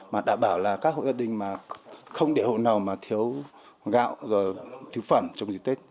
mà đảm bảo là các hộ gia đình không để hộ nào mà thiếu gạo thiếu phẩm trong dịch tích